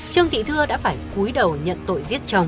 trương thị thưa đã phải cúi đầu nhận tội giết chồng